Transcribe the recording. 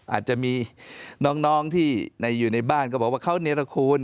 อาจจะมีน้องที่อยู่ในบ้านก็บอกว่าเขาเนรคูณ